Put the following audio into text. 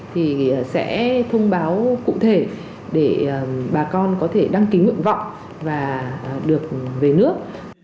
thì sẽ thông báo cụ thể để bà con có thể đăng ký nguyện vọng và được về nước